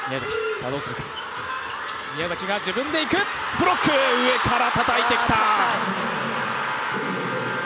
ブロック、上からたたいてきた！